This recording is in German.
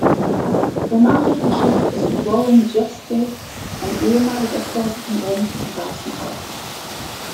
Der Nachrichtenchef ist Warren Justice, ein ehemaliger Korrespondent im Weißen Haus.